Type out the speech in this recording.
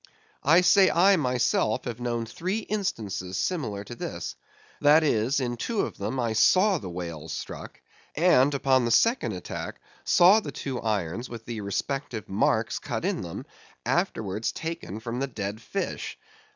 I say I, myself, have known three instances similar to this; that is in two of them I saw the whales struck; and, upon the second attack, saw the two irons with the respective marks cut in them, afterwards taken from the dead fish.